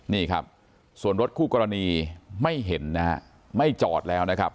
นี่ครับส่วนรถคู่กรณีไม่เห็นนะฮะไม่จอดแล้วนะครับ